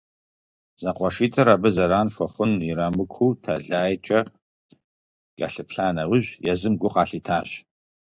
Зэкъуэшитӏыр абы зэран хуэхъун ирамыкуу тэлайкӏэ кӏэлъыплъа нэужь, езым гу къалъитащ.